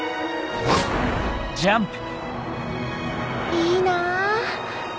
いいなぁ！